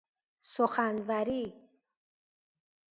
سخنوری